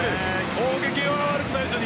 攻撃は悪くないですよ